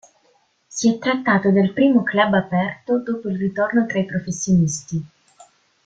Si è trattato del primo club aperto dopo il ritorno tra i professionisti.